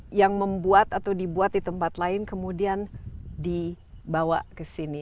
yang membuat atau dibuat di tempat lain kemudian dibawa ke sini